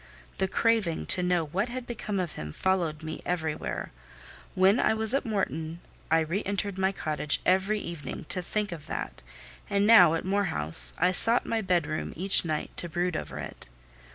The craving to know what had become of him followed me everywhere; when I was at Morton, I re entered my cottage every evening to think of that; and now at Moor House, I sought my bedroom each night to brood over it.